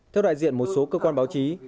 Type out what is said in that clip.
theo đại diện một số cơ quan báo chí